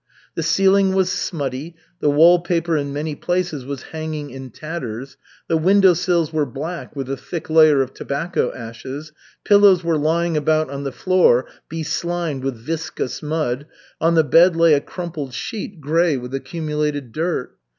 The ceiling was smutty, the wall paper in many places was hanging in tatters, the window sills were black with a thick layer of tobacco ashes, pillows were lying about on the floor beslimed with viscous mud, on the bed lay a crumpled sheet, gray with accumulated dirt.